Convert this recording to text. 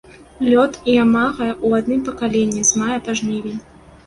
Лёт імага ў адным пакаленні з мая па жнівень.